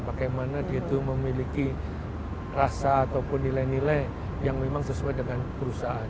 bagaimana dia itu memiliki rasa ataupun nilai nilai yang memang sesuai dengan perusahaan